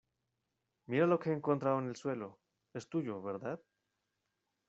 mira lo que he encontrado en el suelo. es tuyo, ¿ verdad?